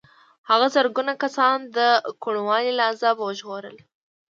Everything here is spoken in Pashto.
هغه زرګونه کسان د کوڼوالي له عذابه وژغورل.